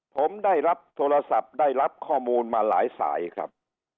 ผมได้รับโทรศัพท์ได้รับข้อมูลมาหลายสายครับ